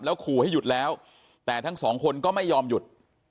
ขู่ให้หยุดแล้วแต่ทั้งสองคนก็ไม่ยอมหยุด